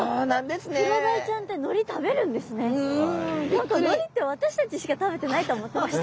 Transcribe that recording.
何かのりって私たちしか食べてないと思ってました。